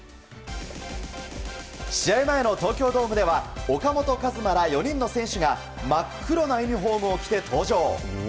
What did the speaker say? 試合前の東京ドームでは岡本和真ら４人の選手が真っ黒なユニホームを着て登場。